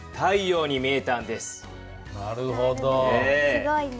すごいね。